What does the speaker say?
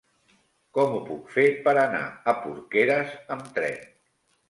Com ho puc fer per anar a Porqueres amb tren?